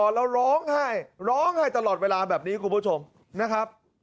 แล้วร้องไห้ร้องไห้ตลอดเวลาแบบนี้คุณผู้ชมนะครับ